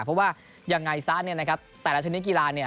เพราะว่าอย่างไรซะแต่ละชนิดกีฬา